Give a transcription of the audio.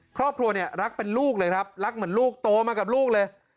ครอบครัวเนี่ยรักเป็นลูกเลยครับรักเหมือนลูกโตมากับลูกเลย